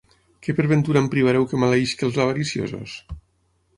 Que per ventura em privareu que maleïsca els avariciosos?